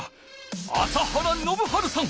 朝原宣治さん！